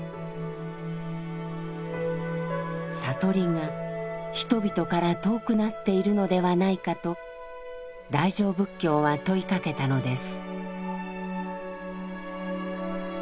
悟りが人々から遠くなっているのではないかと大乗仏教は問いかけたのです。